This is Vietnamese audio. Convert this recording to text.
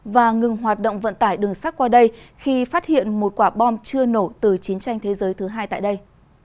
và ngừng hoạt động vận tải đường sắt qua đây khi phát hiện một quả bom chưa nổ từ chiến tranh thế giới thứ hai tại đây